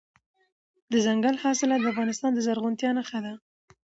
دځنګل حاصلات د افغانستان د زرغونتیا نښه ده.